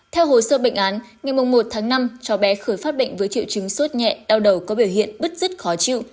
theo hồ sơ bệnh án ngày một tháng năm cháu bé khởi phát bệnh với triệu chứng sốt nhẹ đau đầu có biểu hiện bứt rứt khó chịu